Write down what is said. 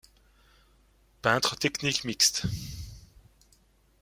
Peintre technique mixte.